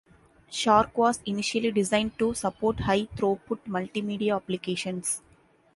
Shark was initially designed to support high throughput multimedia applications.